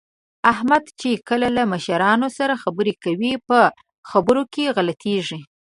احمد چې کله له مشرانو سره خبرې کوي، په خبرو کې غلطېږي